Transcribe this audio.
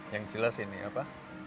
yang jelas ini apa